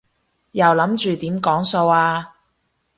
又諗住點講數啊？